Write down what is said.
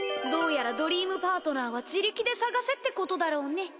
どうやらドリームパートナーは自力で捜せってことだろうね。